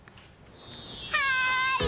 はい！